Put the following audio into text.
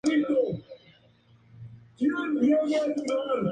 Nacido en Nevada City, California, su verdadero nombre era William Phillips.